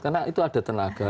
karena itu ada tenaga